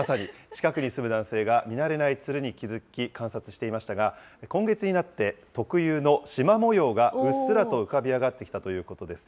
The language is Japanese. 近くに住む男性が見慣れないツルに気付き、観察していましたが、今月になって、特有のしま模様がうっすらと浮かび上がってきたということです。